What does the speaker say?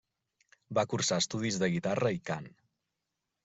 Va cursar estudis de guitarra i cant.